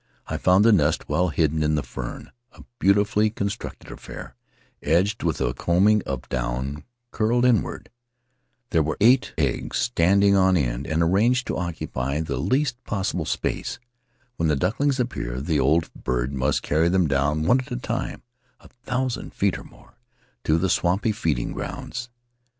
I found the nest well hidden in the fern — a beautifully constructed affair, edged with a coaming of down, curled inward. There were eight eggs, standing on end and arranged to occupy the least At the House of Tari possible space. When the ducklings appear the old bird must carry them down one at a time — a thousand feet or more — to the swampy feeding grounds."